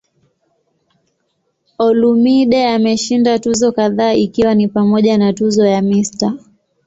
Olumide ameshinda tuzo kadhaa ikiwa ni pamoja na tuzo ya "Mr.